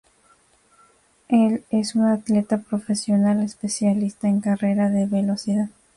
Él es un atleta profesional, especialista en carrera de velocidad.